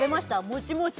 もちもち